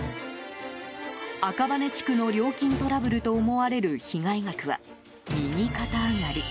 赤羽地区の料金トラブルと思われる被害額は右肩上がり。